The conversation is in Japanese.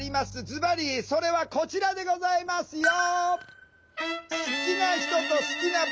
ズバリそれはこちらでございますよ。